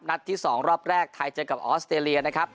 ที่๒รอบแรกไทยเจอกับออสเตรเลียนะครับ